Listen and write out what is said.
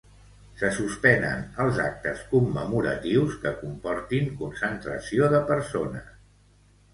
Se suspenen els actes commemoratius que comportin concentració de persones.